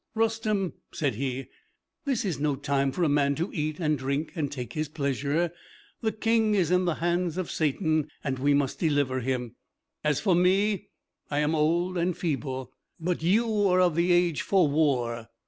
"Rustem," said he, "this is no time for a man to eat and drink and take his pleasure. The King is in the hands of Satan, and we must deliver him. As for me, I am old and feeble; but you are of the age for war.